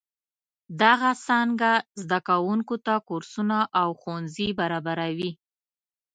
دغه څانګه زده کوونکو ته کورسونه او ښوونځي برابروي.